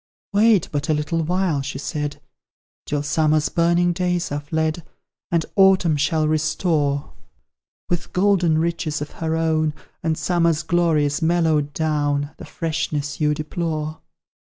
"'Wait but a little while,' she said, 'Till Summer's burning days are fled; And Autumn shall restore, With golden riches of her own, And Summer's glories mellowed down, The freshness you deplore.'